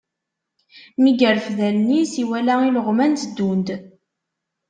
Mi yerfed allen-is, iwala ileɣman teddun-d.